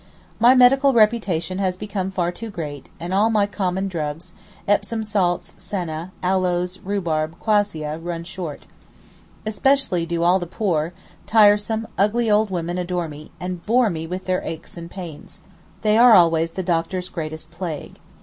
My medical reputation has become far too great, and all my common drugs—Epsom salts, senna, aloes, rhubarb, quassia—run short. Especially do all the poor, tiresome, ugly old women adore me, and bore me with their aches and pains. They are always the doctor's greatest plague.